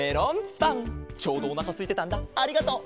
ちょうどおなかすいてたんだありがとう。